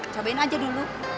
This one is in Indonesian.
cobain aja dulu